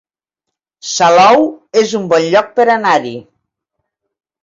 Salou es un bon lloc per anar-hi